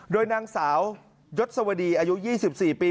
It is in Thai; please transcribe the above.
โดยนางสาวยศวดีอายุ๒๔ปี